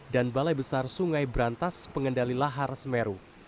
dan balai besar sungai berantas pengendali lahar semeru